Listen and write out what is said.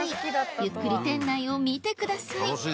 ゆっくり店内を見てください